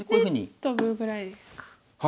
でトブぐらいですか。